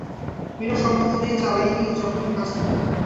বিনা সম্বোধনেই চালাই যখন কাছে থাকেন।